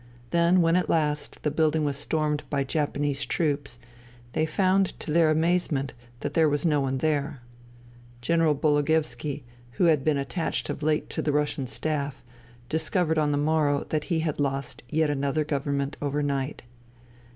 Then when at last the building was stormed by Japanese troops they found, to their amazement, that there was no one there. General Bologoevski, who had been attached of late to the Russian Staff, discovered on the morrow that he had lost yet another govern ment overnight.